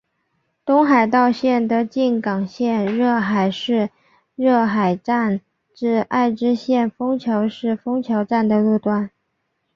东海道线的静冈县热海市热海站至爱知县丰桥市丰桥站的路段。